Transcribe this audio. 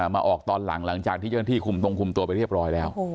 มาออกตอนหลังหลังจากที่เจ้าหน้าที่คุมตรงคุมตัวไปเรียบร้อยแล้ว